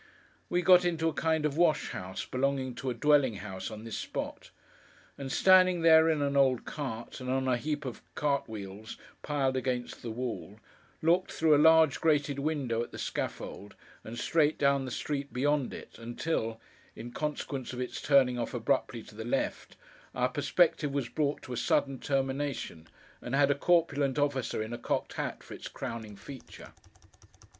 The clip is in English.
We got into a kind of wash house, belonging to a dwelling house on this spot; and standing there in an old cart, and on a heap of cartwheels piled against the wall, looked, through a large grated window, at the scaffold, and straight down the street beyond it until, in consequence of its turning off abruptly to the left, our perspective was brought to a sudden termination, and had a corpulent officer, in a cocked hat, for its crowning feature.